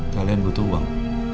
kalian butuh uang